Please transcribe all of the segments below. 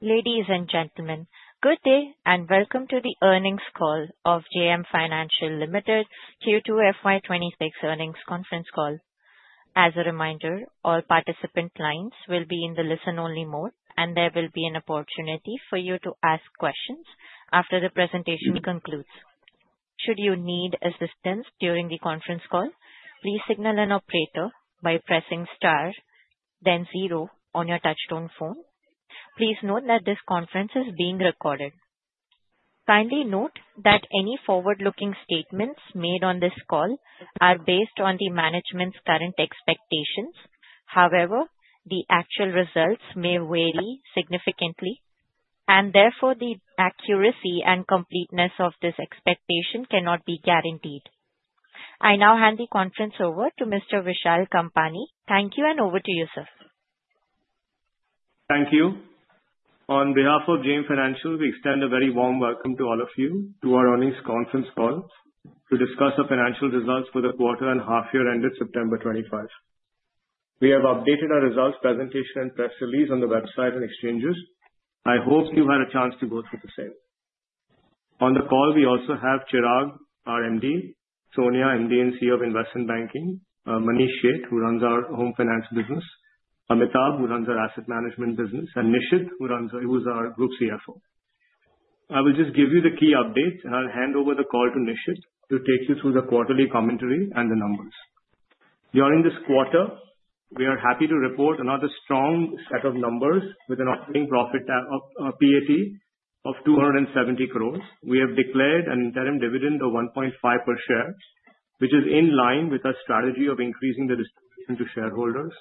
Ladies and gentlemen, good day and welcome to the earnings call of JM Financial Limited Q2 FY26 earnings conference call. As a reminder, all participant lines will be in the listen-only mode, and there will be an opportunity for you to ask questions after the presentation concludes. Should you need assistance during the conference call, please signal an operator by pressing star, then zero on your touch-tone phone. Please note that this conference is being recorded. Kindly note that any forward-looking statements made on this call are based on the management's current expectations. However, the actual results may vary significantly, and therefore the accuracy and completeness of this expectation cannot be guaranteed. I now hand the conference over to Mr. Vishal Kampani. Thank you, and over to you, sir. Thank you. On behalf of JM Financial, we extend a very warm welcome to all of you to our earnings conference call to discuss the financial results for the quarter and half-year ended September 25. We have updated our results presentation and press release on the website and exchanges. I hope you had a chance to go through the same. On the call, we also have Chirag, our MD, Sonia, MD and CEO of Investment Banking, Manish Sheth, who runs our home finance business, Amitabh, who runs our asset management business, and Nishith, who is our group CFO. I will just give you the key updates, and I'll hand over the call to Nishith to take you through the quarterly commentary and the numbers. During this quarter, we are happy to report another strong set of numbers with an operating profit, PAT of 270 crores. We have declared an interim dividend of 1.5 per share, which is in line with our strategy of increasing the distribution to shareholders.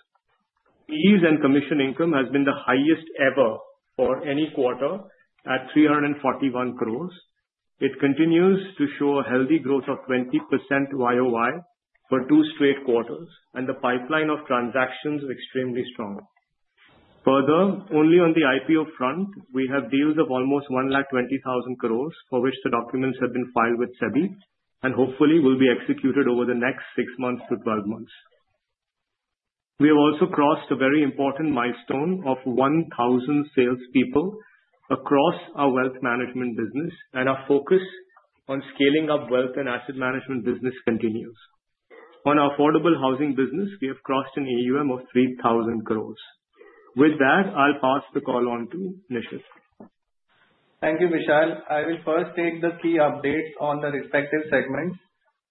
Fees and commission income has been the highest ever for any quarter at 341 crores. It continues to show a healthy growth of 20% YOY for two straight quarters, and the pipeline of transactions is extremely strong. Further, only on the IPO front, we have deals of almost 120,000 crores for which the documents have been filed with SEBI and hopefully will be executed over the next six months to 12 months. We have also crossed a very important milestone of 1,000 salespeople across our wealth management business, and our focus on scaling up wealth and asset management business continues. On our affordable housing business, we have crossed an AUM of 3,000 crores. With that, I'll pass the call on to Nishith. Thank you, Vishal. I will first take the key updates on the respective segments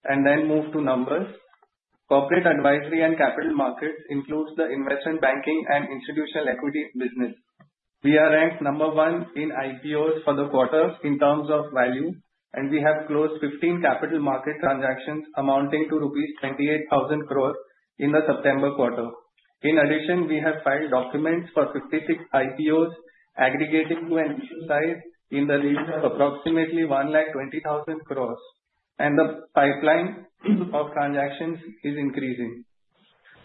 and then move to numbers. Corporate advisory and capital markets includes the investment banking and institutional equity business. We are ranked number one in IPOs for the quarter in terms of value, and we have closed 15 capital market transactions amounting to rupees 28,000 crores in the September quarter. In addition, we have filed documents for 56 IPOs, aggregating to an issue size in the range of approximately 120,000 crores, and the pipeline of transactions is increasing.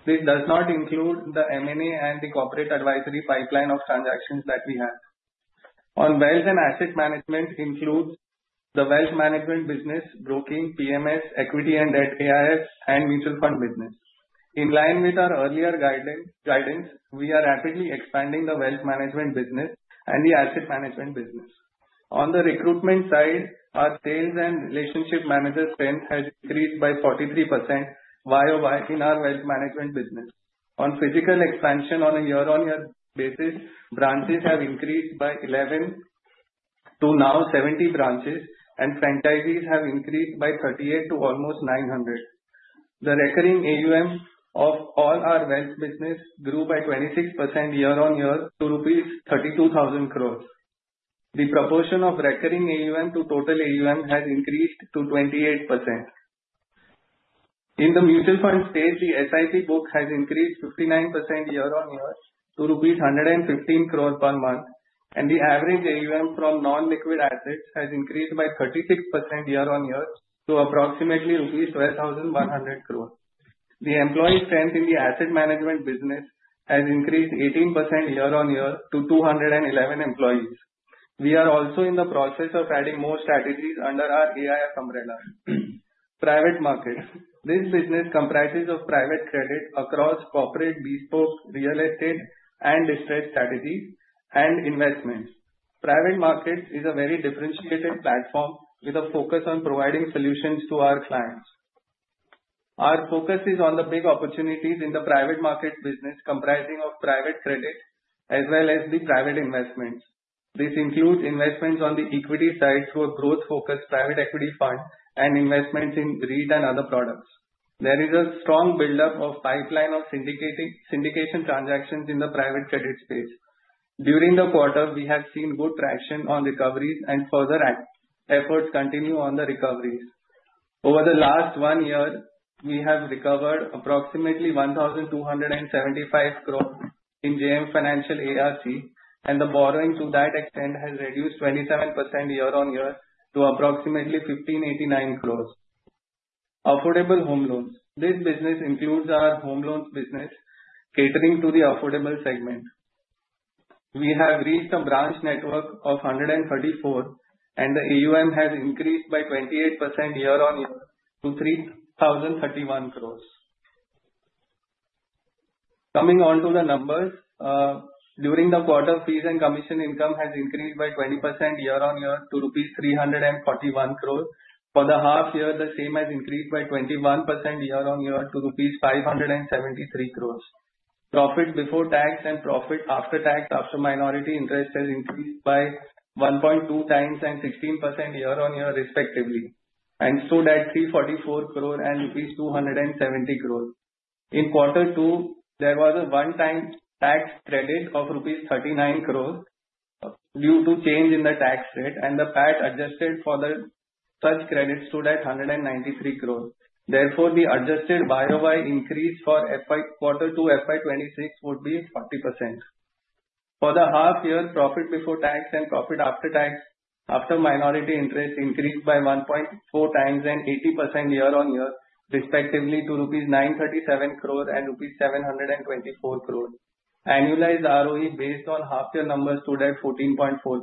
This does not include the M&A and the corporate advisory pipeline of transactions that we have. On wealth and asset management includes the wealth management business, broking, PMS, equity and debt AIF, and mutual fund business. In line with our earlier guidance, we are rapidly expanding the wealth management business and the asset management business. On the recruitment side, our sales and relationship manager strength has increased by 43% YOY in our wealth management business. On physical expansion, on a year-on-year basis, branches have increased by 11 to now 70 branches, and franchisees have increased by 38 to almost 900. The recurring AUM of all our wealth business grew by 26% year-on-year to rupees 32,000 crores. The proportion of recurring AUM to total AUM has increased to 28%. In the mutual fund stage, the SIP book has increased 59% year-on-year to rupees 115 crores per month, and the average AUM from non-liquid assets has increased by 36% year-on-year to approximately rupees 12,100 crores. The employee strength in the asset management business has increased 18% year-on-year to 211 employees. We are also in the process of adding more strategies under our AIF umbrella. Private markets. This business comprises of private credit across corporate, bespoke, real estate, and distressed strategies and investments. Private markets is a very differentiated platform with a focus on providing solutions to our clients. Our focus is on the big opportunities in the private market business comprising of private credit as well as the private investments. This includes investments on the equity side through a growth-focused private equity fund and investments in REIT and other products. There is a strong buildup of pipeline of syndication transactions in the private credit space. During the quarter, we have seen good traction on recoveries, and further efforts continue on the recoveries. Over the last one year, we have recovered approximately 1,275 crores in JM Financial ARC, and the borrowing to that extent has reduced 27% year-on-year to approximately 1,589 crores. Affordable home loans. This business includes our home loans business catering to the affordable segment. We have reached a branch network of 134, and the AUM has increased by 28% year-on-year to 3,031 crores. Coming on to the numbers, during the quarter, fees and commission income has increased by 20% year-on-year to Rs 341 crores. For the half-year, the same has increased by 21% year-on-year to Rs 573 crores. Profit before tax and profit after tax after minority interest has increased by 1.2 times and 16% year-on-year respectively, and stood at Rs 344 crores and Rs 270 crores. In quarter two, there was a one-time tax credit of Rs 39 crores due to change in the tax rate, and the PAT adjusted for such credit stood at 193 crores. Therefore, the adjusted YOY increase for quarter two FY26 would be 40%. For the half-year, profit before tax and profit after tax after minority interest increased by 1.4 times and 80% year-on-year respectively to rupees 937 crores and rupees 724 crores. Annualized ROE based on half-year numbers stood at 14.4%.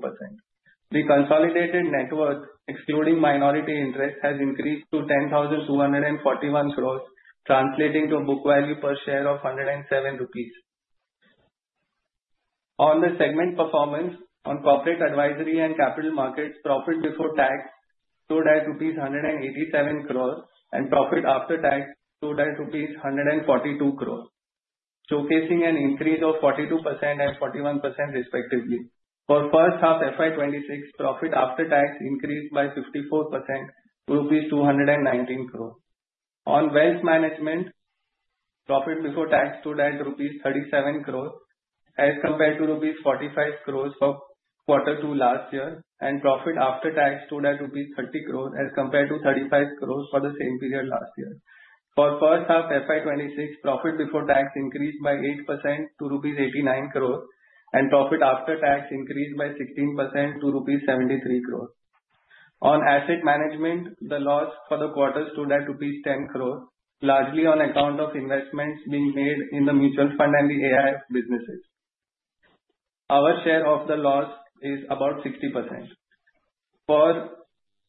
The consolidated net worth, excluding minority interest, has increased to 10,241 crores, translating to a book value per share of 107 rupees. On the segment performance, on corporate advisory and capital markets, profit before tax stood at 187 crores and profit after tax stood at 142 crores, showcasing an increase of 42% and 41% respectively. For first half FY26, profit after tax increased by 54% to rupees 219 crores. On wealth management, profit before tax stood at rupees 37 crores as compared to rupees 45 crores for quarter two last year, and profit after tax stood at rupees 30 crores as compared to 35 crores for the same period last year. For first half FY26, profit before tax increased by 8% to rupees 89 crores, and profit after tax increased by 16% to rupees 73 crores. On asset management, the loss for the quarter stood at rupees 10 crores, largely on account of investments being made in the mutual fund and the AIF businesses. Our share of the loss is about 60%. For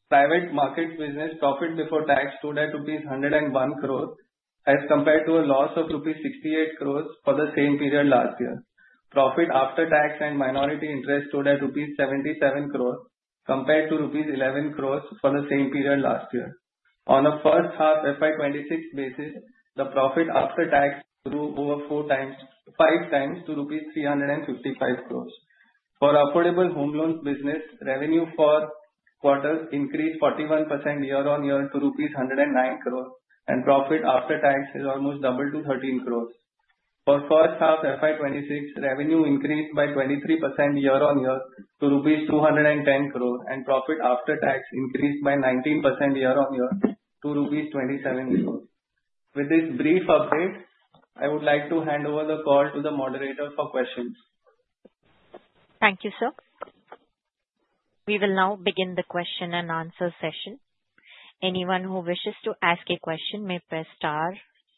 private market business, profit before tax stood at rupees 101 crores as compared to a loss of rupees 68 crores for the same period last year. Profit after tax and minority interest stood at Rs 77 crores compared to Rs 11 crores for the same period last year. On a first half FY26 basis, the profit after tax grew over five times to Rs 355 crores. For affordable home loans business, revenue for quarters increased 41% year-on-year to Rs 109 crores, and profit after tax is almost double to Rs 13 crores. For first half FY26, revenue increased by 23% year-on-year to Rs 210 crores, and profit after tax increased by 19% year-on-year to Rs 27 crores. With this brief update, I would like to hand over the call to the moderator for questions. Thank you, sir. We will now begin the question and answer session. Anyone who wishes to ask a question may press star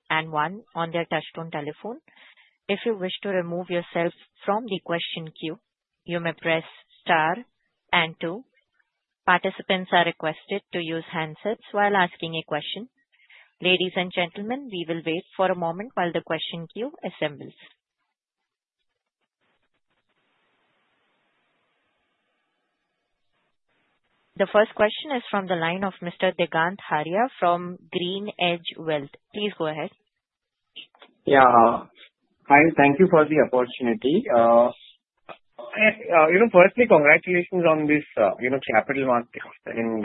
and one on their touch-tone telephone. If you wish to remove yourself from the question queue, you may press star and two. Participants are requested to use handsets while asking a question. Ladies and gentlemen, we will wait for a moment while the question queue assembles. The first question is from the line of Mr. Degant Haria from GreenEdge Wealth. Please go ahead. Yeah. Hi, thank you for the opportunity. Firstly, congratulations on this capital market and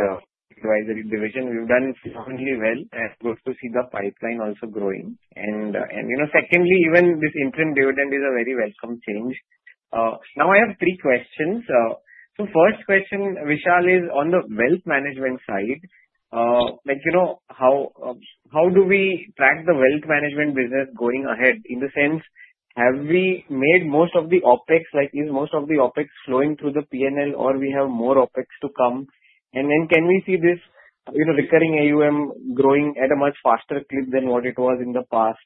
advisory division. We've done extremely well. It's good to see the pipeline also growing. And secondly, even this interim dividend is a very welcome change. Now, I have three questions. So first question, Vishal, is on the wealth management side, how do we track the wealth management business going ahead? In the sense, have we made most of the OpEx, like is most of the OpEx flowing through the P&L, or we have more OpEx to come? And then can we see this recurring AUM growing at a much faster clip than what it was in the past?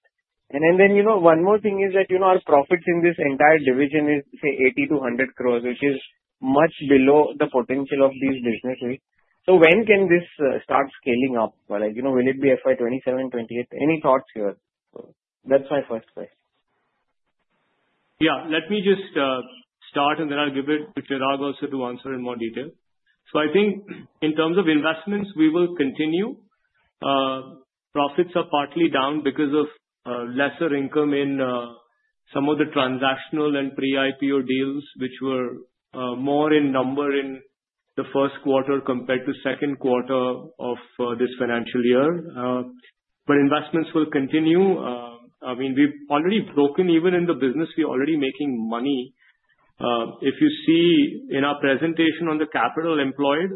And then one more thing is that our profits in this entire division is, say, 80-100 crores, which is much below the potential of these businesses. So when can this start scaling up? Will it be FY27, FY28? Any thoughts here? That's my first question. Yeah. Let me just start, and then I'll give it to Chirag also to answer in more detail. So I think in terms of investments, we will continue. Profits are partly down because of lesser income in some of the transactional and pre-IPO deals, which were more in number in the Q1 compared to Q2 of this financial year. But investments will continue. I mean, we've already broken even in the business. We're already making money. If you see in our presentation on the capital employed,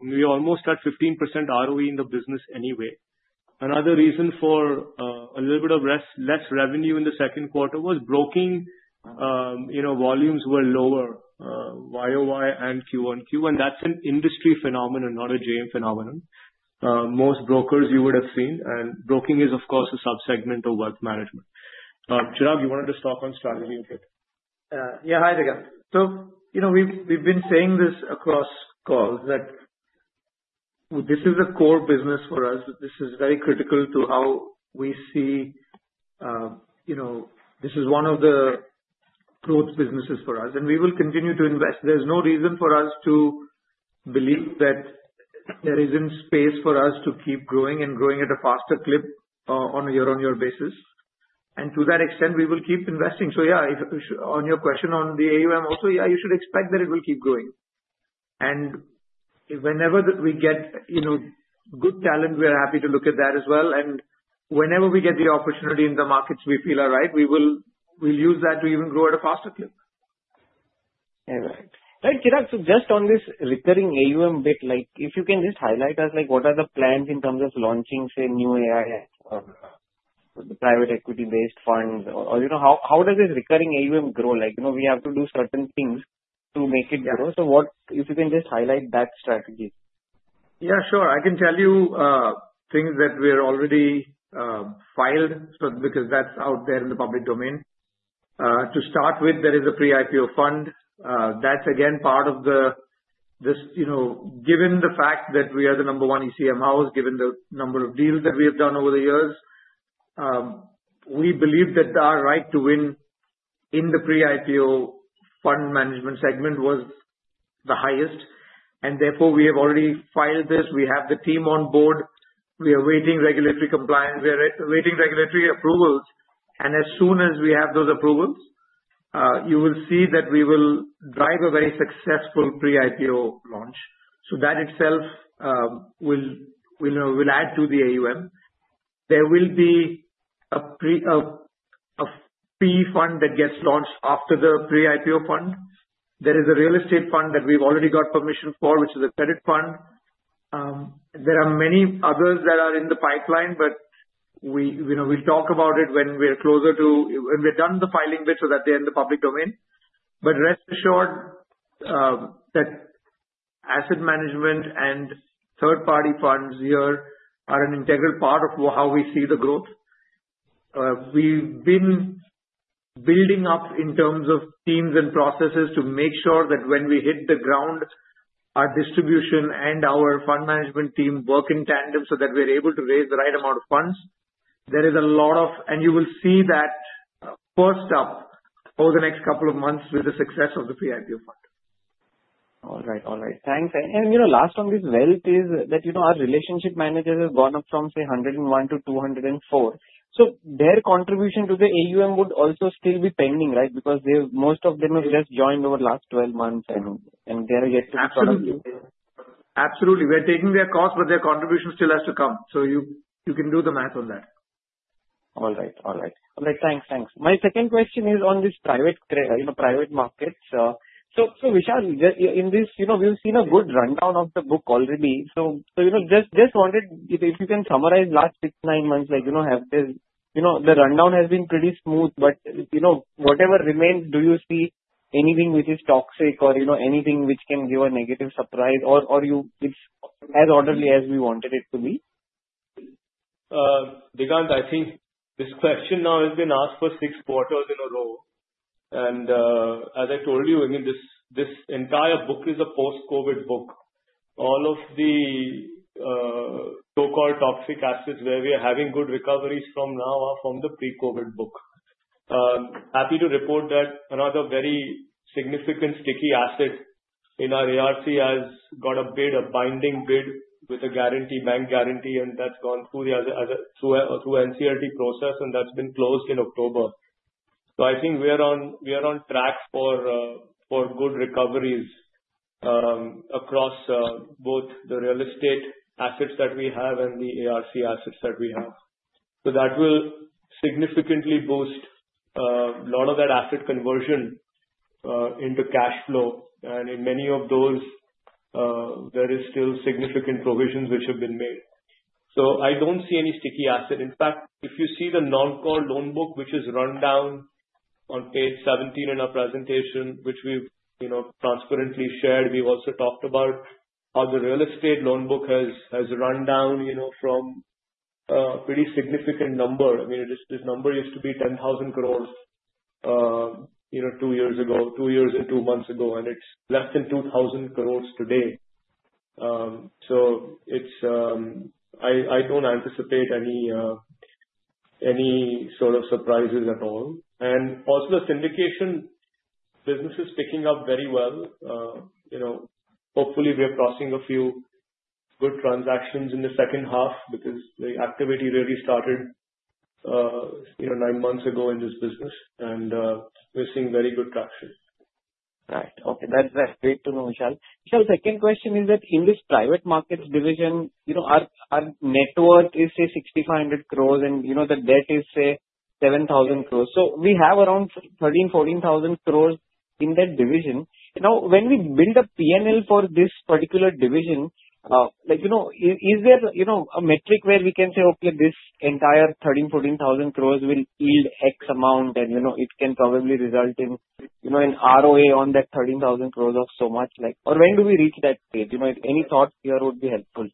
we're almost at 15% ROE in the business anyway. Another reason for a little bit of less revenue in the Q2 was broking volumes were lower, YoY and Q1Q. And that's an industry phenomenon, not a JM phenomenon. Most brokers you would have seen, and broking is, of course, a subsegment of wealth management. Chirag, you wanted to talk on strategy a bit. Yeah. Hi, Degant. So we've been saying this across calls that this is a core business for us. This is very critical to how we see this is one of the growth businesses for us, and we will continue to invest. There's no reason for us to believe that there isn't space for us to keep growing and growing at a faster clip on a year-on-year basis. And to that extent, we will keep investing. So yeah, on your question on the AUM also, yeah, you should expect that it will keep growing. And whenever we get good talent, we're happy to look at that as well. And whenever we get the opportunity in the markets we feel are right, we will use that to even grow at a faster clip. Right. Chirag, so just on this recurring AUM bit, if you can just highlight us what are the plans in terms of launching, say, new AIF or private equity-based funds? How does this recurring AUM grow? We have to do certain things to make it grow. So if you can just highlight that strategy? Yeah, sure. I can tell you things that we're already filed because that's out there in the public domain. To start with, there is a pre-IPO fund. That's, again, part of the given the fact that we are the number one ECM house, given the number of deals that we have done over the years, we believe that our right to win in the pre-IPO fund management segment was the highest. And therefore, we have already filed this. We have the team on board. We are waiting regulatory compliance. We are waiting regulatory approvals. And as soon as we have those approvals, you will see that we will drive a very successful pre-IPO launch. So that itself will add to the AUM. There will be a fee fund that gets launched after the pre-IPO fund. There is a real estate fund that we've already got permission for, which is a credit fund. There are many others that are in the pipeline, but we'll talk about it when we're closer to when we're done with the filing bit so that they're in the public domain. But rest assured that asset management and third-party funds here are an integral part of how we see the growth. We've been building up in terms of teams and processes to make sure that when we hit the ground, our distribution and our fund management team work in tandem so that we're able to raise the right amount of funds. There is a lot of and you will see that first up over the next couple of months with the success of the pre-IPO fund. All right. All right. Thanks. And last on this wealth is that our relationship managers have gone up from, say, 101 to 204. So their contribution to the AUM would also still be pending, right? Because most of them have just joined over the last 12 months, and they are yet to be part of the AUM. Absolutely. We are taking their cost, but their contribution still has to come. So you can do the math on that. All right. Thanks. My second question is on this private markets. So Vishal, in this, we've seen a good rundown of the book already. So just wanted if you can summarize last six to nine months, have the rundown has been pretty smooth, but whatever remains, do you see anything which is toxic or anything which can give a negative surprise, or it's as orderly as we wanted it to be? Degant, I think this question now has been asked for six quarters in a row, and as I told you, I mean, this entire book is a post-COVID book. All of the so-called toxic assets where we are having good recoveries from now are from the pre-COVID book. Happy to report that another very significant sticky asset in our ARC has got a bid, a binding bid with a bank guarantee, and that's gone through the NCLT process, and that's been closed in October. I think we are on track for good recoveries across both the real estate assets that we have and the ARC assets that we have, so that will significantly boost a lot of that asset conversion into cash flow. In many of those, there are still significant provisions which have been made, so I don't see any sticky asset. In fact, if you see the non-core loan book, which is rundown on page 17 in our presentation, which we've transparently shared, we've also talked about how the real estate loan book has rundown from a pretty significant number. I mean, this number used to be 10,000 crores two years ago, two years and two months ago, and it's less than 2,000 crores today, so I don't anticipate any sort of surprises at all, and also the syndication business is picking up very well. Hopefully, we're crossing a few good transactions in the second half because the activity really started nine months ago in this business, and we're seeing very good traction. Right. Okay. That's great to know, Vishal. Vishal, second question is that in this private markets division, our net worth is, say, 6,500 crores, and the debt is, say, 7,000 crores. So we have around 13,000-14,000 crores in that division. Now, when we build a P&L for this particular division, is there a metric where we can say, "Okay, this entire 13,000-14,000 crores will yield X amount, and it can probably result in an ROA on that 13,000 crores of so much?" Or when do we reach that stage? Any thoughts here would be helpful.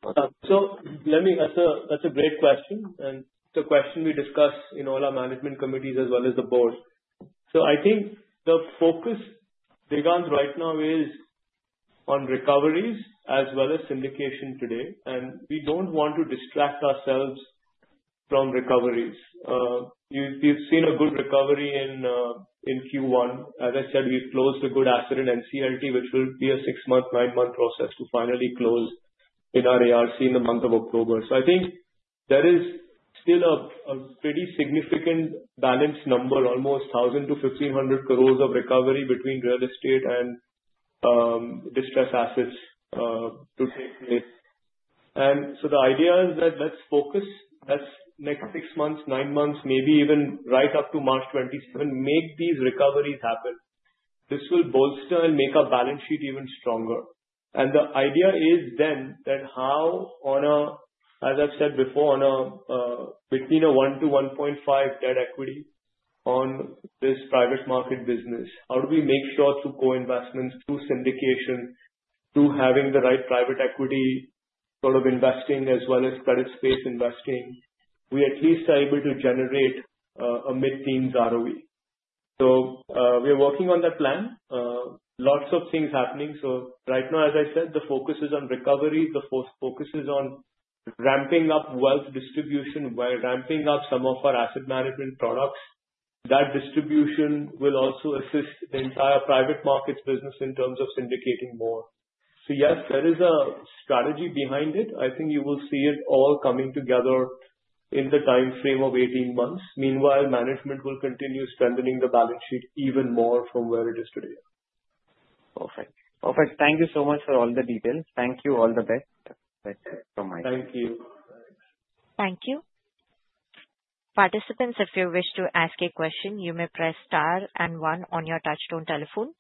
So let me. That's a great question. And it's a question we discuss in all our management committees as well as the board. So I think the focus, Degant, right now is on recoveries as well as syndication today. And we don't want to distract ourselves from recoveries. We've seen a good recovery in Q1. As I said, we've closed a good asset in NCLT, which will be a six-month, nine-month process to finally close in our ARC in the month of October. So I think there is still a pretty significant balance number, almost 1,000-1,500 crores of recovery between real estate and distressed assets to take place. And so the idea is that let's focus. That's next six months, nine months, maybe even right up to March 2027. Make these recoveries happen. This will bolster and make our balance sheet even stronger. And the idea is then that how, as I've said before, between 1-1.5 debt equity on this private market business, how do we make sure through co-investments, through syndication, through having the right private equity sort of investing as well as credit space investing, we at least are able to generate a mid-teens ROE? So we're working on that plan. Lots of things happening. So right now, as I said, the focus is on recovery. The focus is on ramping up wealth distribution by ramping up some of our asset management products. That distribution will also assist the entire private markets business in terms of syndicating more. So yes, there is a strategy behind it. I think you will see it all coming together in the timeframe of 18 months. Meanwhile, management will continue strengthening the balance sheet even more from where it is today. Perfect. Perfect. Thank you so much for all the details. Thank you. All the best from my side. Thank you. Thank you. Participants, if you wish to ask a question, you may press star and one on your touchstone telephone.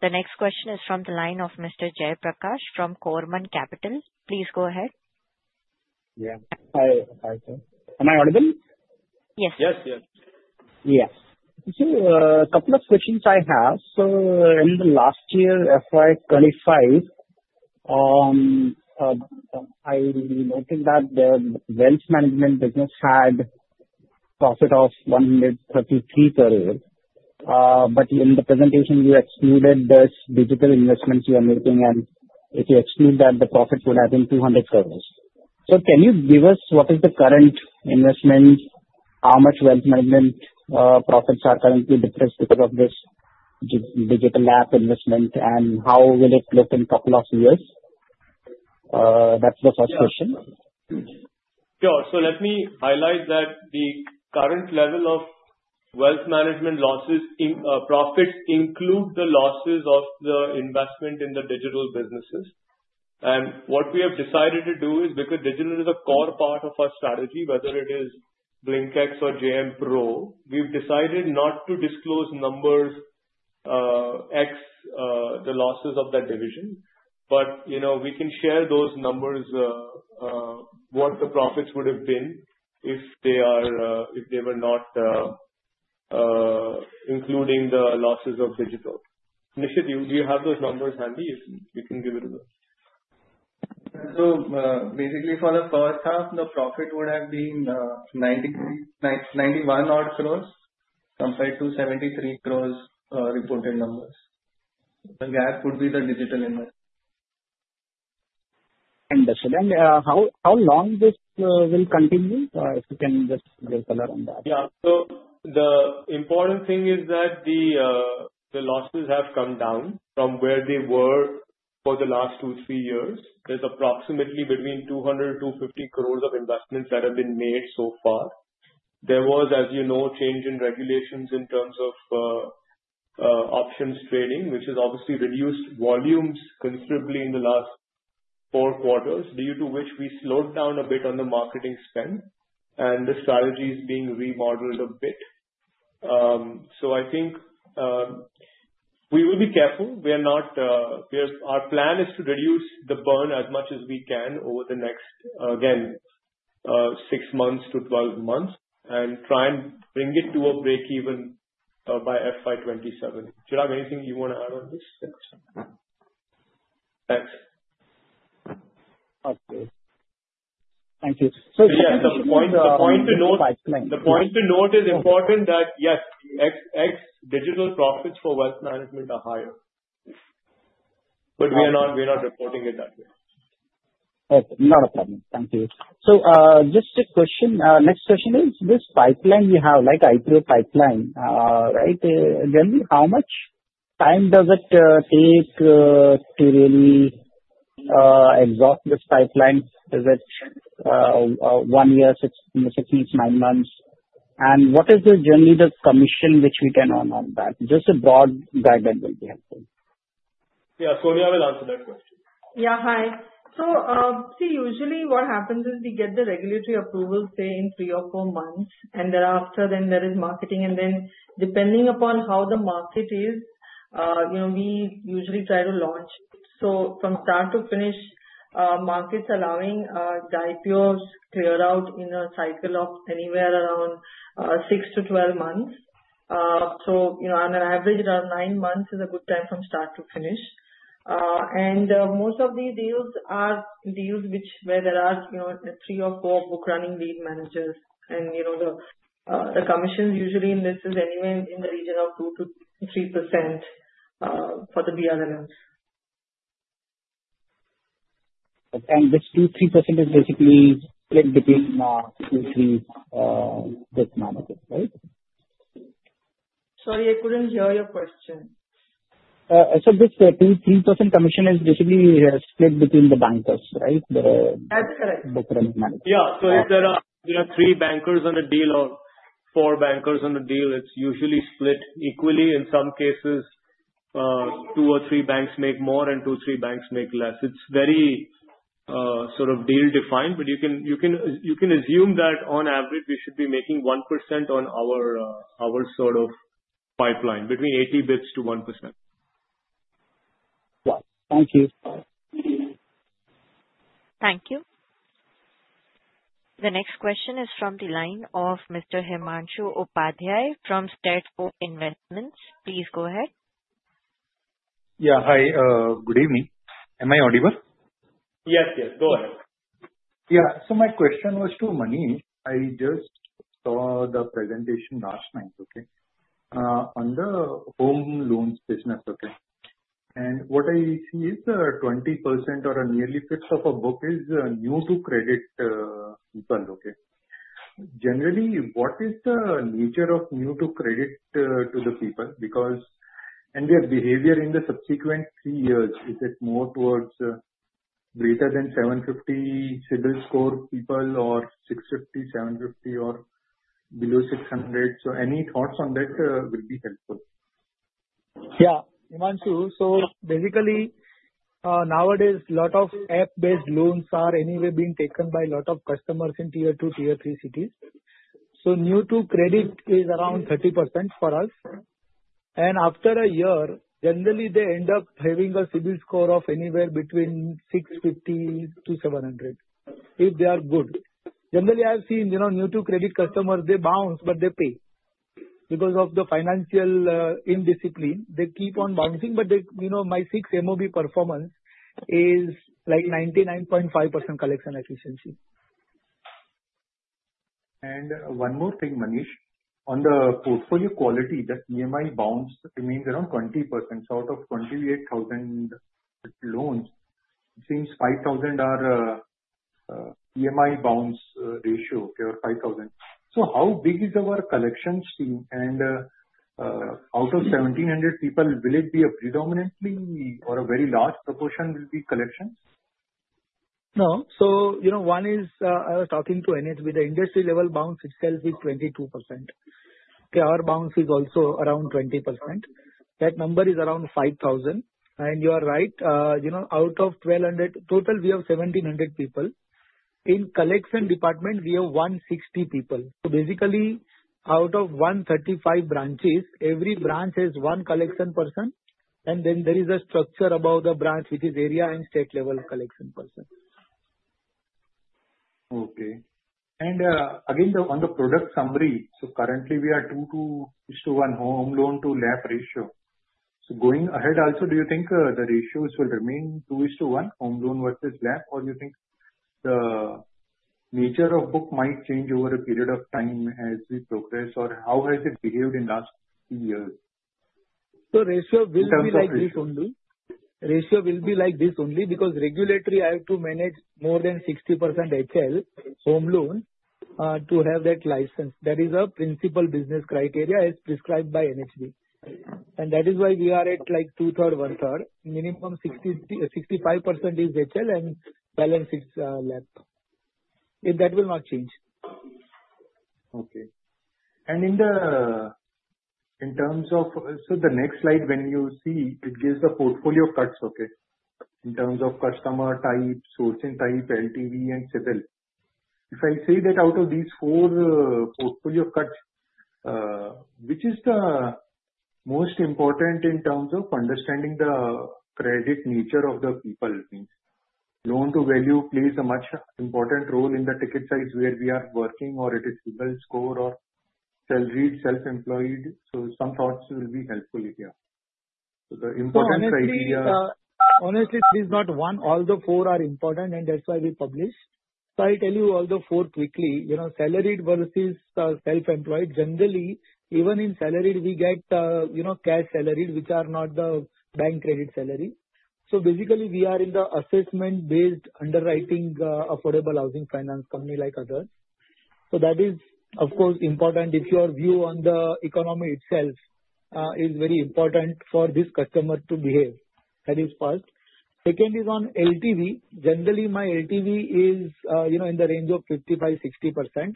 The next question is from the line of Mr. Jay Prakash from Karma Capital. Please go ahead. Yeah. Hi. Hi, sir. Am I audible? Yes. Yes. Yes. Yes. So a couple of questions I have. So in the last year, FY25, I noted that the wealth management business had a profit of 133 crores. But in the presentation, you excluded this digital investments you are making. And if you exclude that, the profit would have been 200 crores. So can you give us what is the current investment? How much wealth management profits are currently depressed because of this digital app investment? And how will it look in a couple of years? That's the first question. Sure, so let me highlight that the current level of wealth management's profits include the losses of the investment in the digital businesses, and what we have decided to do is because digital is a core part of our strategy, whether it is BlinkX or JM Pro, we've decided not to disclose numbers ex the losses of that division. But we can share those numbers, what the profits would have been if they were not including the losses of digital. Initially, do you have those numbers handy? You can give it a look. Basically, for the first half, the profit would have been 91 odd crores compared to 73 crores reported numbers. The gap would be the digital investment. Understood. And how long this will continue? If you can just give a color on that. Yeah. So the important thing is that the losses have come down from where they were for the last two, three years. There's approximately between 200-250 crores of investments that have been made so far. There was, as you know, change in regulations in terms of options trading, which has obviously reduced volumes considerably in the last four quarters, due to which we slowed down a bit on the marketing spend. And the strategy is being remodeled a bit. So I think we will be careful. Our plan is to reduce the burn as much as we can over the next, again, six months to 12 months and try and bring it to a break-even by FY27. Chirag, anything you want to add on this? Thanks. Thank you. Yeah. The point to note is important that, yes, BlinkX digital profits for wealth management are higher. But we are not reporting it that way. Okay. Not a problem. Thank you. So just a question. Next question is this pipeline you have, like IPO pipeline, right? Again, how much time does it take to really exhaust this pipeline? Is it one year, six months, nine months? And what is generally the commission which we can earn on that? Just a broad guideline will be helpful. Yeah. Sonia will answer that question. Yeah. Hi. So see, usually what happens is we get the regulatory approval, say, in three or four months. And thereafter, then there is marketing. And then depending upon how the market is, we usually try to launch it. So from start to finish, market's allowing the IPOs clear out in a cycle of anywhere around 6-12 months. So on an average, around nine months is a good time from start to finish. And most of these deals are deals where there are three or four book-running lead managers. And the commission usually in this is anywhere in the region of 2%-3% for the BRLMs. This 2%-3% is basically split between two or three bank managers, right? Sorry, I couldn't hear your question. So this 2%-3% commission is basically split between the bankers, right? That's correct. The current managers. Yeah. So if there are three bankers on a deal or four bankers on a deal, it's usually split equally. In some cases, two or three banks make more, and two or three banks make less. It's very sort of deal-defined. But you can assume that on average, we should be making 1% on our sort of pipeline, between 80 basis points to 1%. Yes. Thank you. Thank you. The next question is from the line of Mr. Himanshu Upadhyay from State Ford Investments. Please go ahead. Yeah. Hi. Good evening. Am I audible? Yes. Yes. Go ahead. Yeah. So my question was to Manish. I just saw the presentation last night, okay, on the home loans business, okay? And what I see is 20% or a nearly fifth of a book is new-to-credit people, okay? Generally, what is the nature of new-to-credit to the people? And their behavior in the subsequent three years, is it more towards greater than 750 CIBIL score people or 650, 750, or below 600? Any thoughts on that would be helpful. Yeah. Himanshu, so basically, nowadays, a lot of app-based loans are anyway being taken by a lot of customers in tier two, tier three cities. So new-to-credit is around 30% for us. And after a year, generally, they end up having a CIBIL score of anywhere between 650-700 if they are good. Generally, I have seen new-to-credit customers, they bounce, but they pay. Because of the financial indiscipline, they keep on bouncing, but my six MOB performance is like 99.5% collection efficiency. And one more thing, Manish. On the portfolio quality, that EMI bounce remains around 20%. So out of 28,000 loans, it seems 5,000 are EMI bounce ratio, okay, or 5,000. So how big is our collection scheme? And out of 1,700 people, will it be a predominantly or a very large proportion will be collection? No. So, one is I was talking to NHB. The industry-level bounce itself is 22%. Our bounce is also around 20%. That number is around 5,000. And you are right. Out of 1,200 total, we have 1,700 people. In collection department, we have 160 people. So basically, out of 135 branches, every branch has one collection person. And then there is a structure above the branch, which is area and state-level collection person. Okay, and again, on the product summary, so currently, we are 2 to 1 home loan to LAP ratio, so going ahead, also, do you think the ratios will remain 2 to 1, home loan versus LAP? Or do you think the nature of book might change over a period of time as we progress? Or how has it behaved in the last few years? So ratio will be like this only. Ratio will be like this only because regulators have to maintain more than 60% HL, home loan, to have that license. That is a principal business criteria as prescribed by NHB. And that is why we are at like two-thirds, one-third. Minimum 65% is HL and balance is lab. That will not change. Okay. And in terms of so the next slide, when you see, it gives the portfolio cuts, okay, in terms of customer type, sourcing type, LTV, and CIBIL. If I say that out of these four portfolio cuts, which is the most important in terms of understanding the credit nature of the people? Loan-to-value plays a much important role in the ticket size where we are working, or it is single score, or salaried, self-employed. So some thoughts will be helpful here. So the important criteria. Honestly, three is not one. All the four are important, and that's why we publish. So I'll tell you all the four quickly. Salaried versus self-employed, generally, even in salaried, we get cash salaried, which are not the bank credit salaries. So basically, we are in the assessment-based underwriting affordable housing finance company like others. So that is, of course, important. If your view on the economy itself is very important for this customer to behave, that is first. Second is on LTV. Generally, my LTV is in the range of 55%-60%.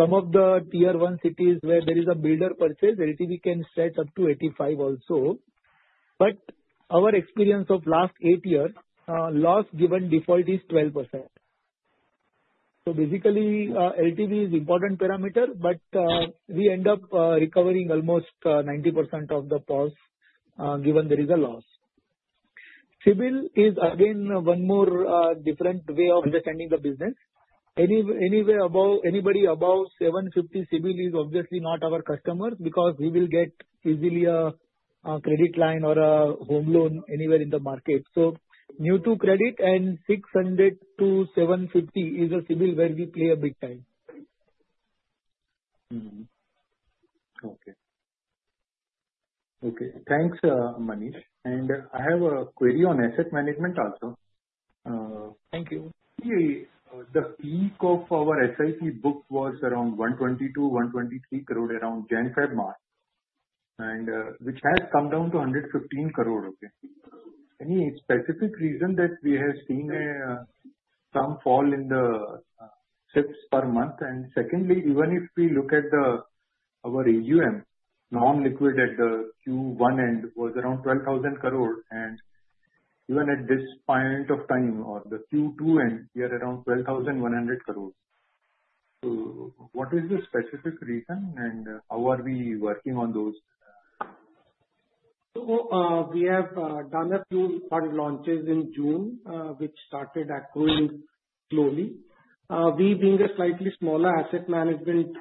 Some of the tier one cities where there is a builder purchase, LTV can stretch up to 85% also. But our experience of last eight years, loss given default is 12%. So basically, LTV is an important parameter, but we end up recovering almost 90% of the POS given there is a loss. CIBIL is, again, one more different way of understanding the business. Anybody above 750 CIBIL is obviously not our customer because we will get easily a credit line or a home loan anywhere in the market. So new-to-credit and 600-750 is a CIBIL where we play a big time. Okay. Thanks, Manish. And I have a query on asset management also. Thank you. The peak of our SIP book was around 122-123 crore around end of March, which has come down to 115 crore. Any specific reason that we have seen some fall in the SIPs per month? And secondly, even if we look at our AUM, non-liquid at the Q1 end was around 12,000 crore. And even at this point of time, or the Q2 end, we are around 12,100 crore. So what is the specific reason, and how are we working on those? So we have done a few fund launches in June, which started accruing slowly. We being a slightly smaller asset management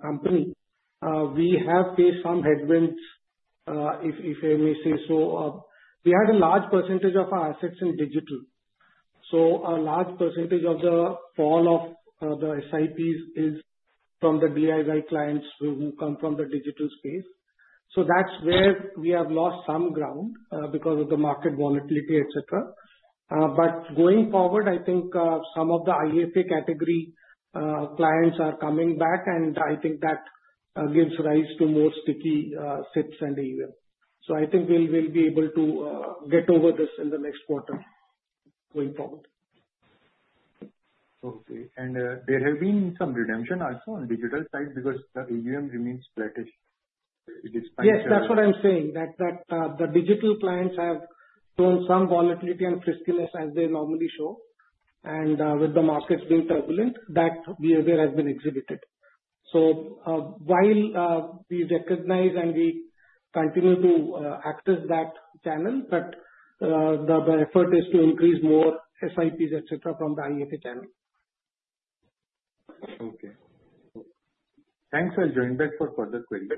company, we have faced some headwinds, if I may say so. We had a large percentage of our assets in digital. So a large percentage of the fall of the SIPs is from the DIY clients who come from the digital space. So that's where we have lost some ground because of the market volatility, etc. But going forward, I think some of the IFA category clients are coming back, and I think that gives rise to more sticky SIPs and AUM. So I think we'll be able to get over this in the next quarter going forward. Okay, and there has been some redemption also on digital side because the AUM remains flattish. It is fine. Yes. That's what I'm saying, that the digital clients have shown some volatility and fickleness as they normally show. And with the markets being turbulent, that behavior has been exhibited. So while we recognize and we continue to assess that channel, but the effort is to increase more SIPs, etc., from the IFA channel. Okay. Thanks for joining back for further queries.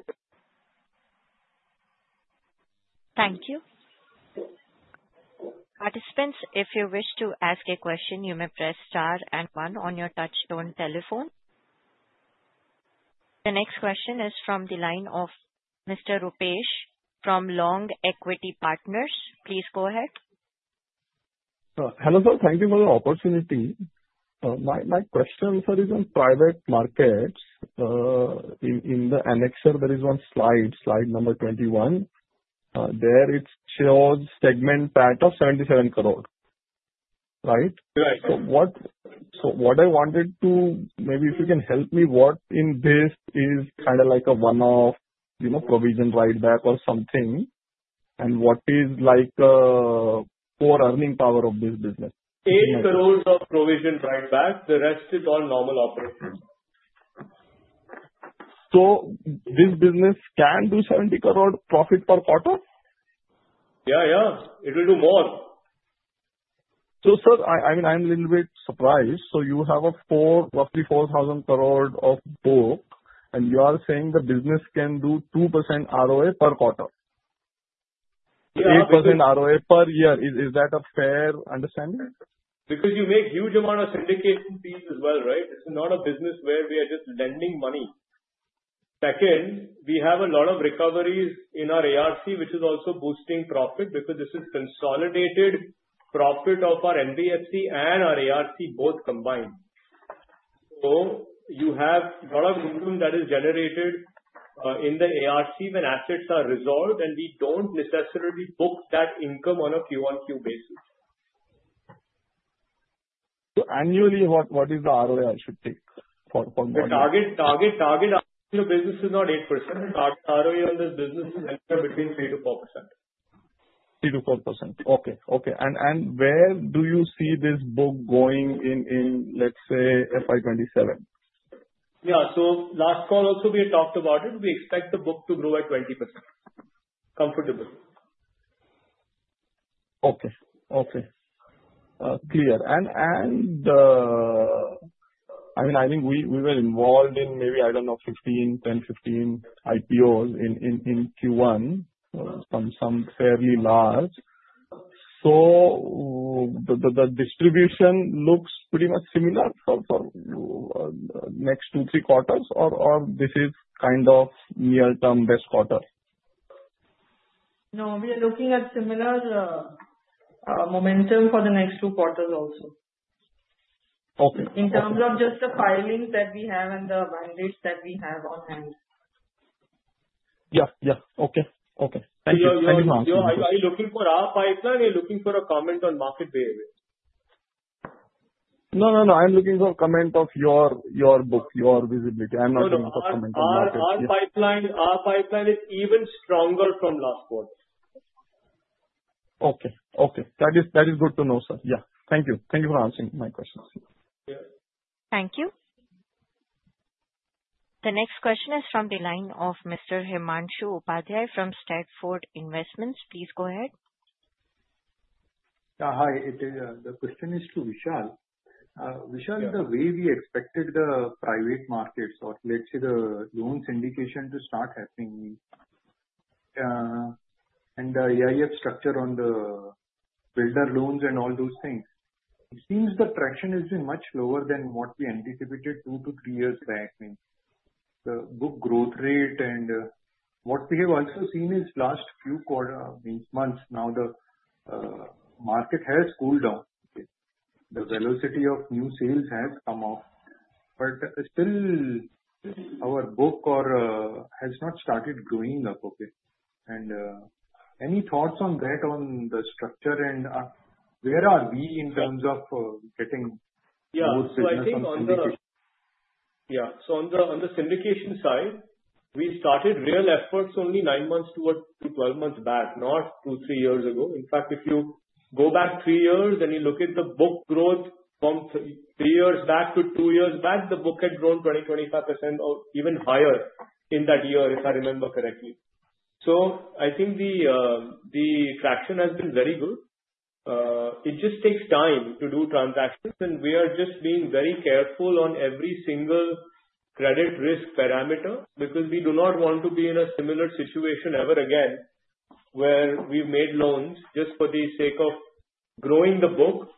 Thank you. Participants, if you wish to ask a question, you may press star and one on your touch-tone telephone. The next question is from the line of Mr. Rupesh from Long Equity Partners. Please go ahead. Hello, sir. Thank you for the opportunity. My question, sir, is on private markets. In the annexure, there is one slide, slide number 21. There it shows segment PAT of 77 crore, right? Right. What I wanted to maybe if you can help me, what in this is kind of like a one-off provision write-back or something? What is like the core earning power of this business? eight crores of provision write back. The rest is all normal operation. So this business can do 70 crore profit per quarter? Yeah. Yeah. It will do more. So sir, I mean, I'm a little bit surprised. So you have a roughly 4,000 crore of book, and you are saying the business can do 2% ROA per quarter, 8% ROA per year. Is that a fair understanding? Because you make huge amount of syndication fees as well, right? It's not a business where we are just lending money. Second, we have a lot of recoveries in our ARC, which is also boosting profit because this is consolidated profit of our NBFC and our ARC both combined. So you have a lot of income that is generated in the ARC when assets are resolved, and we don't necessarily book that income on a Q on Q basis. So annually, what is the ROA I should take for? The target ROA on this business is not 8%. The target ROA on this business is anywhere between 3% to 4%. 3%-4%. Okay. Okay. And where do you see this book going in, let's say, FY27? Yeah. So last call also we had talked about it. We expect the book to grow by 20%. Comfortable. Okay. Okay. Clear. And I mean, I think we were involved in maybe, I don't know, 15, 10, 15 IPOs in Q1 from some fairly large. So the distribution looks pretty much similar for next two, three quarters, or this is kind of near-term best quarter? No. We are looking at similar momentum for the next two quarters also. Okay. In terms of just the filings that we have and the mandates that we have on hand. Yeah. Yeah. Okay. Okay. Thank you so much. You are looking for our pipeline or you're looking for a comment on market behavior? No, no, no. I'm looking for a comment of your book, your visibility. I'm not looking for a comment on market behavior. Our pipeline is even stronger from last quarter. Okay. Okay. That is good to know, sir. Yeah. Thank you. Thank you for answering my questions. Thank you. The next question is from the line of Mr. Himanshu Upadhyay from State Ford Investments. Please go ahead. Hi. The question is to Vishal. Vishal, the way we expected the private markets, or let's say the loan syndication to start happening, and the AIF structure on the builder loans and all those things, it seems the traction has been much lower than what we anticipated two to three years back. The book growth rate and what we have also seen is last few months, now the market has cooled down. The velocity of new sales has come off. But still, our book has not started growing up. Okay. And any thoughts on that, on the structure and where are we in terms of getting more business syndication? Yeah. So on the syndication side, we started real efforts only nine months to twelve months back, not two, three years ago. In fact, if you go back three years and you look at the book growth from three years back to two years back, the book had grown 20%-25% or even higher in that year, if I remember correctly. So I think the traction has been very good. It just takes time to do transactions, and we are just being very careful on every single credit risk parameter because we do not want to be in a similar situation ever again where we've made loans just for the sake of growing the book.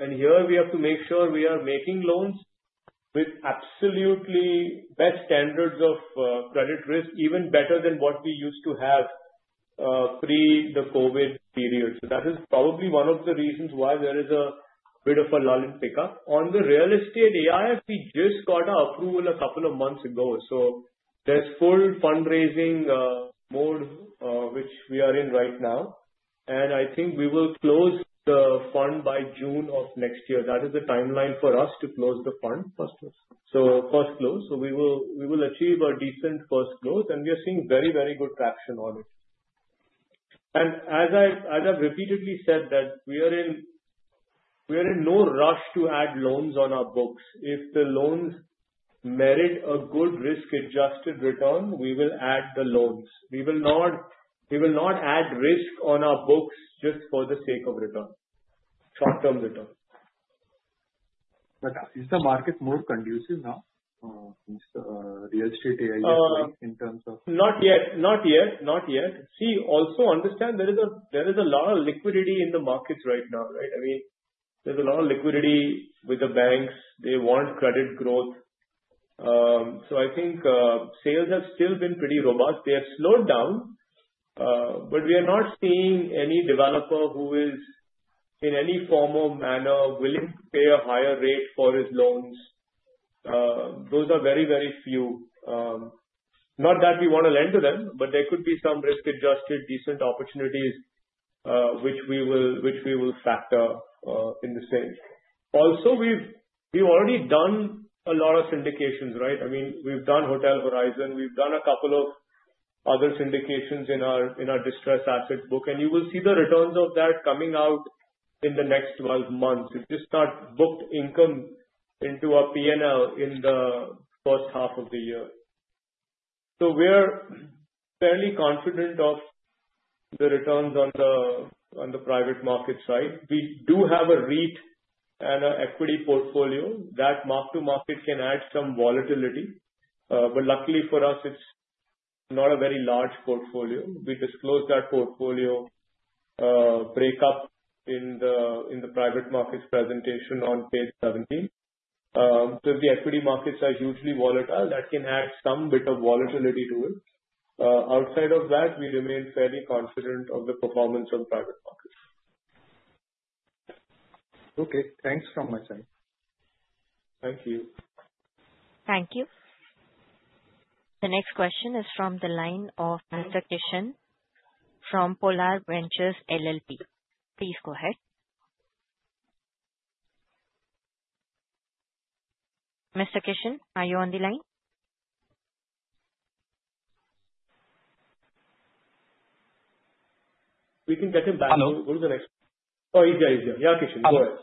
And here we have to make sure we are making loans with absolutely best standards of credit risk, even better than what we used to have pre the COVID period. So that is probably one of the reasons why there is a bit of a lull in pickup. On the real estate, AIF, we just got our approval a couple of months ago. So there's full fundraising mode, which we are in right now. And I think we will close the fund by June of next year. That is the timeline for us to close the fund, so first close. So we will achieve a decent first close, and we are seeing very, very good traction on it. And as I've repeatedly said, that we are in no rush to add loans on our books. If the loans merit a good risk-adjusted return, we will add the loans. We will not add risk on our books just for the sake of return, short-term return. Is the market more conducive now, Mr. Real Estate AIF, in terms of? Not yet. Not yet. Not yet. See, also understand there is a lot of liquidity in the markets right now, right? I mean, there's a lot of liquidity with the banks. They want credit growth. So I think sales have still been pretty robust. They have slowed down, but we are not seeing any developer who is in any form or manner willing to pay a higher rate for his loans. Those are very, very few. Not that we want to lend to them, but there could be some risk-adjusted decent opportunities which we will factor in the sales. Also, we've already done a lot of syndications, right? I mean, we've done Hotel Horizon. We've done a couple of other syndications in our distressed assets book. And you will see the returns of that coming out in the next 12 months. It's just not booked income into our P&L in the first half of the year. So we're fairly confident of the returns on the private market side. We do have a REIT and an equity portfolio. That mark-to-market can add some volatility. But luckily for us, it's not a very large portfolio. We disclose that portfolio breakup in the private markets presentation on page 17. Because the equity markets are hugely volatile, that can add some bit of volatility to it. Outside of that, we remain fairly confident of the performance of private markets. Okay. Thanks from my side. Thank you. Thank you. The next question is from the line of Mr. Kishan from Polar Ventures LLP. Please go ahead. Mr. Kishan, are you on the line? We can get him back. Hello. Oh, he's here. He's here. Yeah, Kishan, go ahead.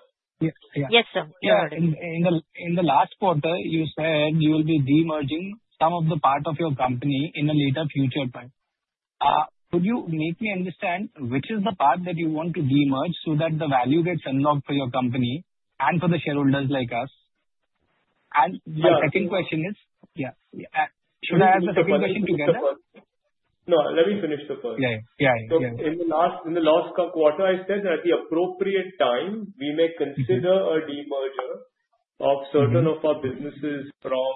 Yes, sir. You're good. In the last quarter, you said you will be de-merging some of the part of your company in a later future time. Could you make me understand which is the part that you want to de-merge so that the value gets unlocked for your company and for the shareholders like us? And my second question is, yeah, should I ask the second question together? No, let me finish the question. Yeah. Yeah. So in the last quarter, I said at the appropriate time, we may consider a de-merger of certain of our businesses from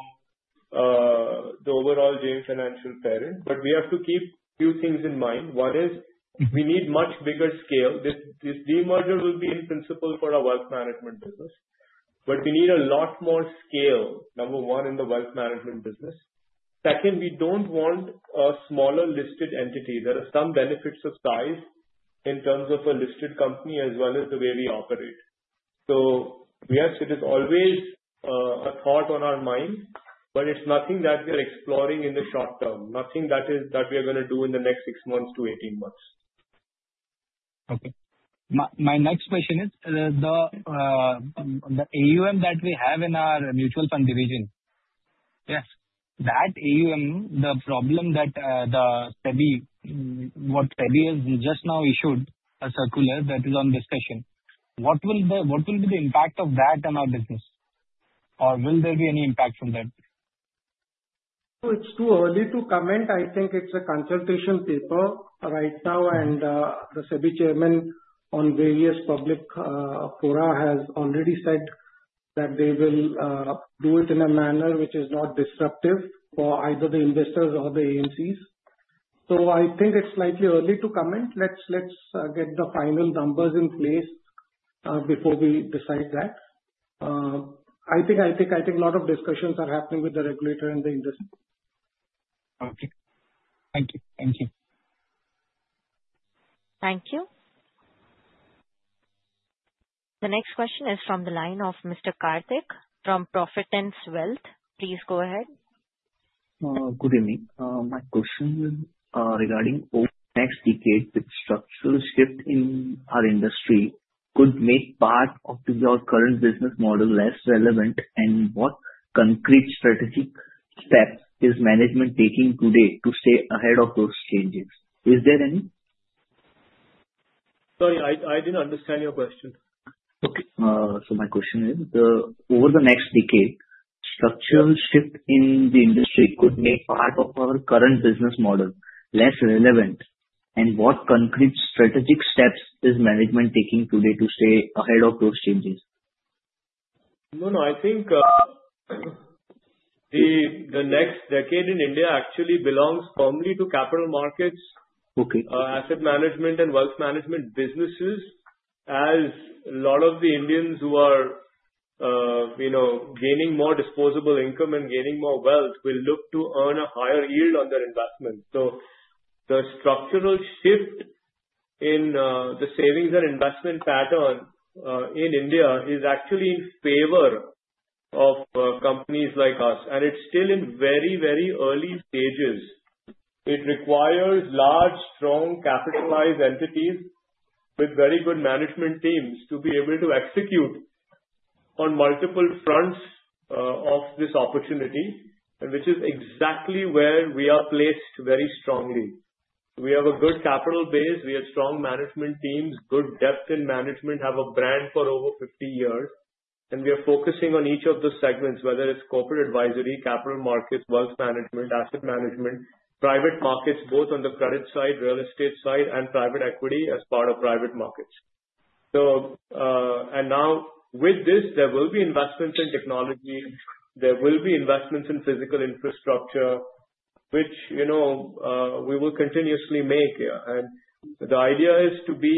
the overall JM Financial parent. But we have to keep a few things in mind. One is we need much bigger scale. This de-merger will be in principle for our wealth management business. But we need a lot more scale, number one, in the wealth management business. Second, we don't want a smaller listed entity. There are some benefits of size in terms of a listed company as well as the way we operate. So yes, it is always a thought on our mind, but it's nothing that we are exploring in the short term, nothing that we are going to do in the next 6 months to 18 months. Okay. My next question is the AUM that we have in our mutual fund division. Yes. That AUM, the problem that what SEBI has just now issued a circular that is on discussion. What will be the impact of that on our business? Or will there be any impact from that? It's too early to comment. I think it's a consultation paper right now, and the SEBI chairman on various public fora has already said that they will do it in a manner which is not disruptive for either the investors or the AMCs. So I think it's slightly early to comment. Let's get the final numbers in place before we decide that. I think a lot of discussions are happening with the regulator and the industry. Okay. Thank you. Thank you. Thank you. The next question is from the line of Mr. Karthik from Profit & Wealth. Please go ahead. Good evening. My question is regarding the next decade, the structural shift in our industry could make part of your current business model less relevant, and what concrete strategic steps is management taking today to stay ahead of those changes? Is there any? Sorry, I didn't understand your question. Okay. So my question is, over the next decade, structural shift in the industry could make part of our current business model less relevant, and what concrete strategic steps is management taking today to stay ahead of those changes? No, no. I think the next decade in India actually belongs firmly to capital markets, asset management, and wealth management businesses, as a lot of the Indians who are gaining more disposable income and gaining more wealth will look to earn a higher yield on their investments, so the structural shift in the savings and investment pattern in India is actually in favor of companies like us, and it's still in very, very early stages. It requires large, strong, capitalized entities with very good management teams to be able to execute on multiple fronts of this opportunity, which is exactly where we are placed very strongly. We have a good capital base. We have strong management teams, good depth in management, have a brand for over 50 years. And we are focusing on each of the segments, whether it's corporate advisory, capital markets, wealth management, asset management, private markets, both on the credit side, real estate side, and private equity as part of private markets. And now, with this, there will be investments in technology. There will be investments in physical infrastructure, which we will continuously make. And the idea is to be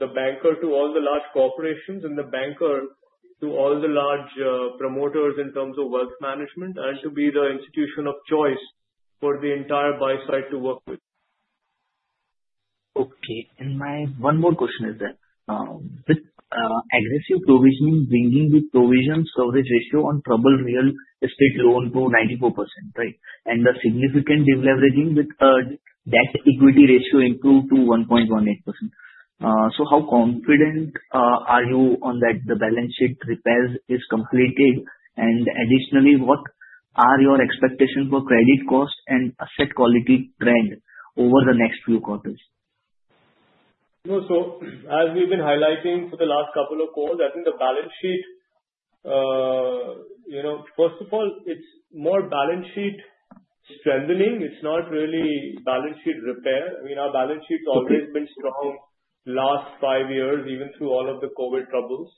the banker to all the large corporations and the banker to all the large promoters in terms of wealth management and to be the institution of choice for the entire buy-side to work with. Okay. And my one more question is that with aggressive provisioning, bringing the provision coverage ratio on probable real estate loan to 94%, right, and the significant de-leveraging with debt equity ratio improved to 1.18%, so how confident are you on that the balance sheet repairs is completed? And additionally, what are your expectations for credit cost and asset quality trend over the next few quarters? So as we've been highlighting for the last couple of calls, I think the balance sheet, first of all, it's more balance sheet strengthening. It's not really balance sheet repair. I mean, our balance sheet has always been strong the last five years, even through all of the COVID troubles.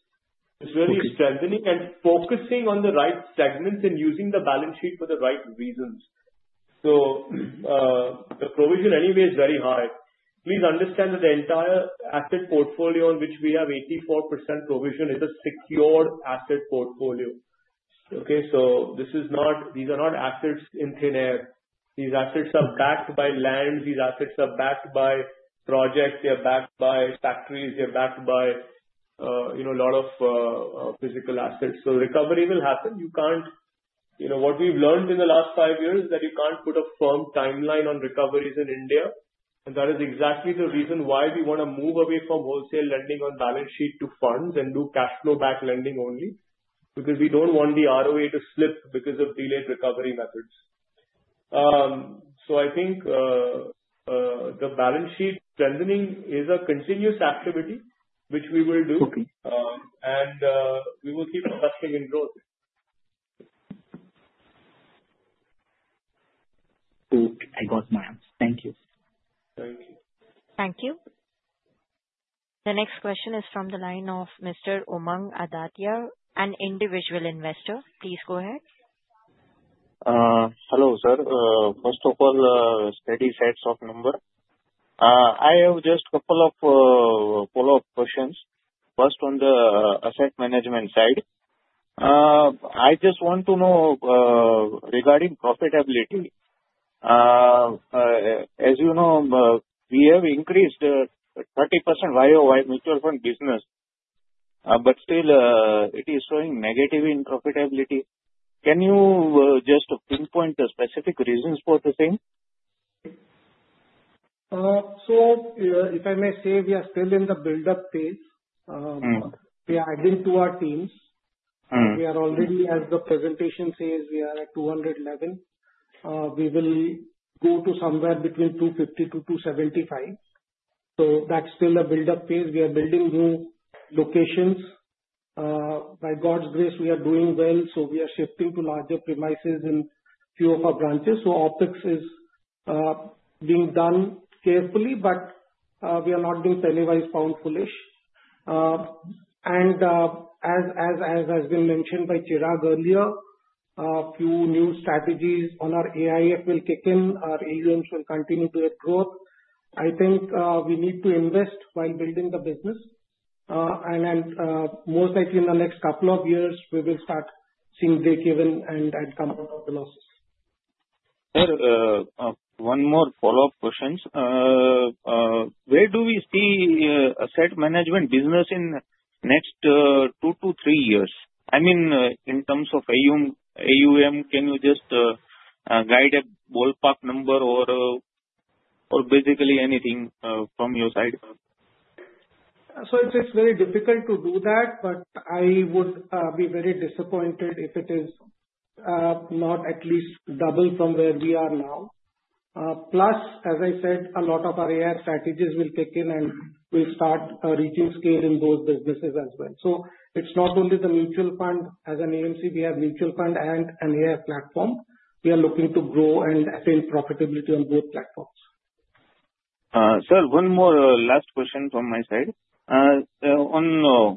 It's really strengthening and focusing on the right segments and using the balance sheet for the right reasons. So the provision anyway is very high. Please understand that the entire asset portfolio on which we have 84% provision is a secured asset portfolio. Okay? So these are not assets in thin air. These assets are backed by land. These assets are backed by projects. They are backed by factories. They are backed by a lot of physical assets. So recovery will happen. What we've learned in the last five years is that you can't put a firm timeline on recoveries in India. And that is exactly the reason why we want to move away from wholesale lending on balance sheet to funds and do cash flow-back lending only because we don't want the ROA to slip because of delayed recovery methods. So I think the balance sheet strengthening is a continuous activity, which we will do, and we will keep investing in growth. Okay. I got my answer. Thank you. Thank you. Thank you. The next question is from the line of Mr. Omang Aditya, an individual investor. Please go ahead. Hello, sir. First of all, steady set of numbers. I have just a couple of follow-up questions. First, on the asset management side, I just want to know regarding profitability. As you know, we have increased 30% YOY mutual fund business, but still, it is showing negative in profitability. Can you just pinpoint the specific reasons for the same? If I may say, we are still in the build-up phase. We are adding to our teams. We are already, as the presentation says, we are at 211. We will go to somewhere between 250 to 275. That's still a build-up phase. We are building new locations. By God's grace, we are doing well. We are shifting to larger premises in a few of our branches. OpEx is being done carefully, but we are not being pennywise pound foolish. As has been mentioned by Chirag earlier, a few new strategies on our AIF will kick in. Our AUMs will continue to get growth. I think we need to invest while building the business. Most likely, in the next couple of years, we will start seeing break-even and come out of the losses. One more follow-up question. Where do we see asset management business in the next two to three years? I mean, in terms of AUM, can you just guide a ballpark number or basically anything from your side? So it's very difficult to do that, but I would be very disappointed if it is not at least double from where we are now. Plus, as I said, a lot of our AIF strategies will kick in, and we'll start reaching scale in those businesses as well. So it's not only the mutual fund. As an AMC, we have mutual fund and an AIF platform. We are looking to grow and attain profitability on both platforms. Sir, one more last question from my side. On the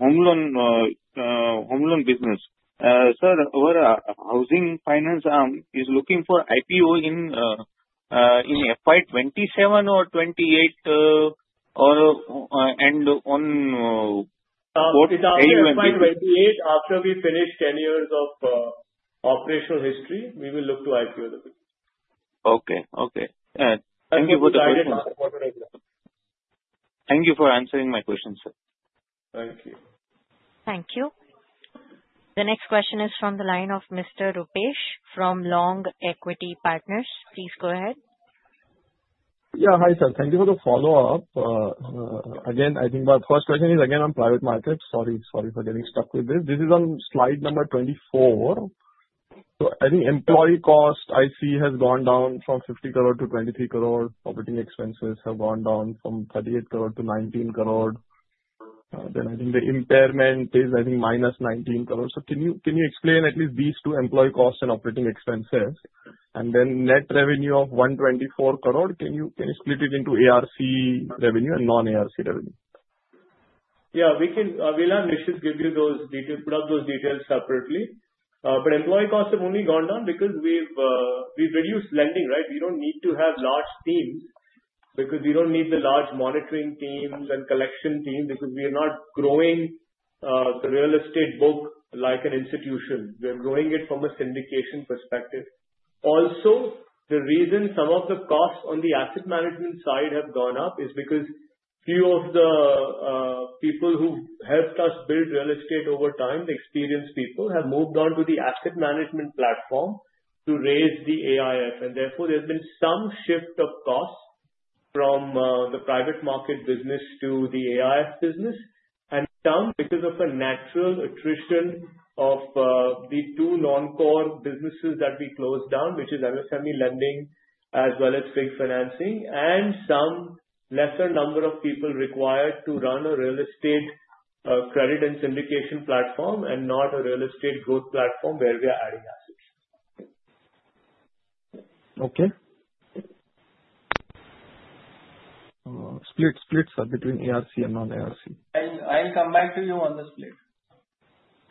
home loan business, sir, our housing finance arm is looking for IPO in FY 2027 or 2028 and on what AUM? FY 2028, after we finish 10 years of operational history, we will look to IPO the. Okay. Okay. Thank you for the question. Thank you for answering my question, sir. Thank you. Thank you. The next question is from the line of Mr. Rupesh from Long Equity Partners. Please go ahead. Yeah. Hi, sir. Thank you for the follow-up. Again, I think my first question is, again, on private markets. Sorry, sorry for getting stuck with this. This is on slide number 24. So I think employee cost, I see, has gone down from 50 crore to 23 crore. Operating expenses have gone down from 38 crore to 19 crore. Then I think the impairment is, I think, minus 19 crore. So can you explain at least these two: employee costs and operating expenses? And then net revenue of 124 crore, can you split it into ARC revenue and non-ARC revenue? Yeah. We'll have Nishith give you those details, put up those details separately. But employee costs have only gone down because we've reduced lending, right? We don't need to have large teams because we don't need the large monitoring teams and collection teams because we are not growing the real estate book like an institution. We are growing it from a syndication perspective. Also, the reason some of the costs on the asset management side have gone up is because few of the people who helped us build real estate over time, the experienced people, have moved on to the asset management platform to raise the AIF. And therefore, there's been some shift of costs from the private market business to the AIF business. And some because of the natural attrition of the two non-core businesses that we closed down, which is MSME lending as well as FIG financing. Some lesser number of people required to run a real estate credit and syndication platform and not a real estate growth platform where we are adding assets. Okay. Split between ARC and non-ARC. I'll come back to you on the split.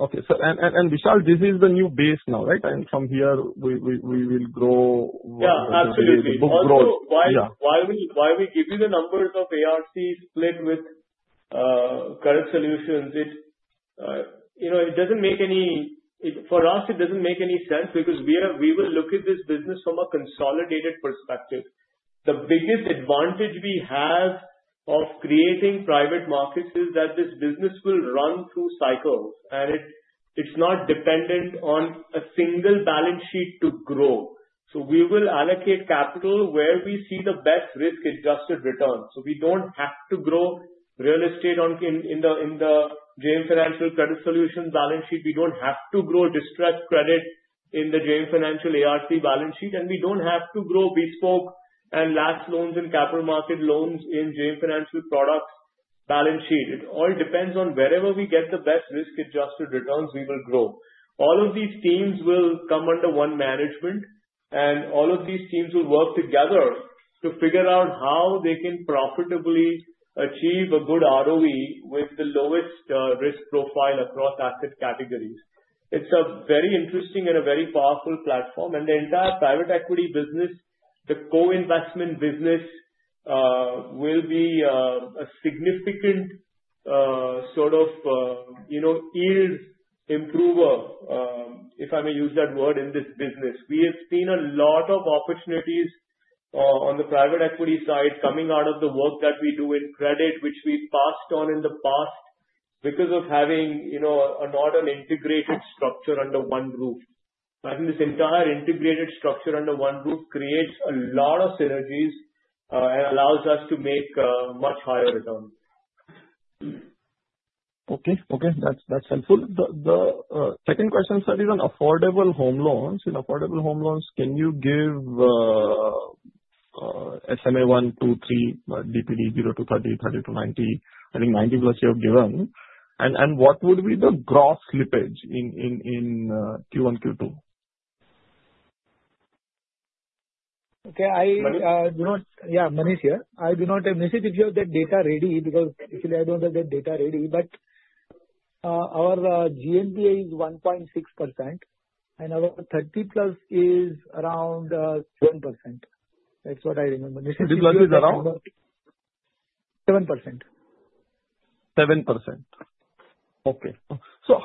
Okay. And Vishal, this is the new base now, right? And from here, we will grow the book growth. Yeah. Absolutely. Why we give you the numbers of ARC split with Credit Solutions, it doesn't make any sense for us, it doesn't make any sense because we will look at this business from a consolidated perspective. The biggest advantage we have of creating private markets is that this business will run through cycles, and it's not dependent on a single balance sheet to grow. So we will allocate capital where we see the best risk-adjusted return. So we don't have to grow real estate in the JM Financial Credit Solutions balance sheet. We don't have to grow distressed credit in the JM Financial ARC balance sheet. And we don't have to grow bespoke and LAP loans and capital market loans in JM Financial Products balance sheet. It all depends on wherever we get the best risk-adjusted returns, we will grow. All of these teams will come under one management, and all of these teams will work together to figure out how they can profitably achieve a good ROE with the lowest risk profile across asset categories. It's a very interesting and a very powerful platform, and the entire private equity business, the co-investment business, will be a significant sort of yield improver, if I may use that word, in this business. We have seen a lot of opportunities on the private equity side coming out of the work that we do in credit, which we passed on in the past because of having not an integrated structure under one roof, but this entire integrated structure under one roof creates a lot of synergies and allows us to make much higher returns. Okay. Okay. That's helpful. The second question, sir, is on affordable home loans. In affordable home loans, can you give SMA 1, 2, 3, DPD 0 to 30, 30 to 90? I think 90 plus you have given. And what would be the gross slippage in Q1, Q2? Okay. Yeah. Manish here. I do not have Nishith. If you have that data ready, because actually, I don't have that data ready, but our GNPA is 1.6%, and our 30 plus is around 7%. That's what I remember. Nishith, do you remember? 30 plus is around? 7%. 7%. Okay. So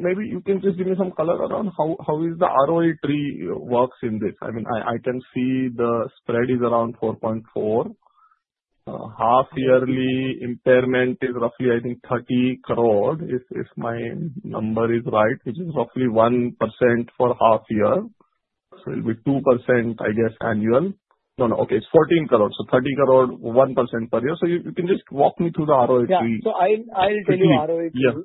maybe you can just give me some color around how the ROE tree works in this. I mean, I can see the spread is around 4.4%. Half-yearly impairment is roughly, I think, Rs 30 crore, if my number is right, which is roughly 1% for half-year. So it'll be 2%, I guess, annual. No, no. Okay. It's Rs 14 crore. So Rs 30 crore, 1% per year. So you can just walk me through the ROE tree. Yeah, so I'll tell you ROE target. Yeah.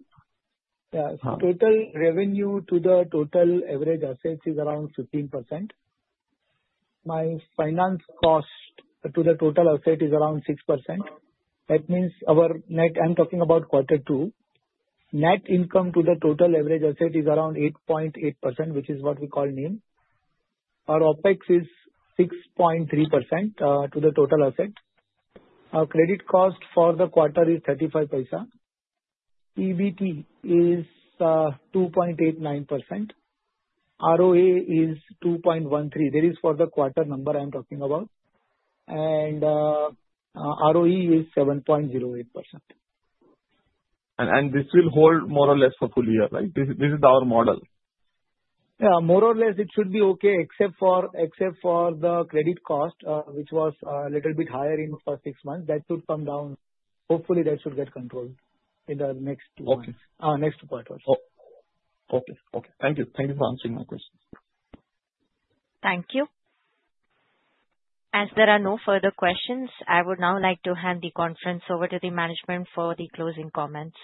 Yeah. Total revenue to the total average assets is around 15%. My finance cost to the total asset is around 6%. That means our net, I'm talking about quarter two, net income to the total average asset is around 8.8%, which is what we call NIM. Our OPEX is 6.3% to the total asset. Our credit cost for the quarter is 35 paisa. EBT is 2.89%. ROA is 2.13. That is for the quarter number I'm talking about. ROE is 7.08%. This will hold more or less for full year, right? This is our model. Yeah. More or less, it should be okay, except for the credit cost, which was a little bit higher in the first six months. That should come down. Hopefully, that should get controlled in the next quarter. Okay. Thank you for answering my questions. Thank you. As there are no further questions, I would now like to hand the conference over to the management for the closing comments.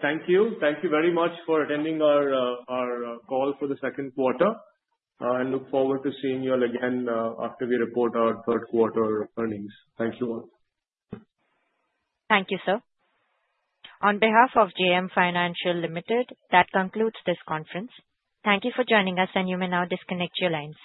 Thank you. Thank you very much for attending our call for the Q2. I look forward to seeing you all again after we report our Q3 earnings. Thank you all. Thank you, sir. On behalf of JM Financial Limited, that concludes this conference. Thank you for joining us, and you may now disconnect your lines.